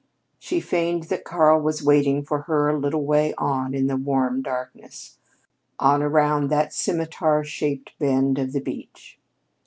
She feigned that Karl was waiting for her a little way on in the warm darkness on, around that scimitar shaped bend of the beach.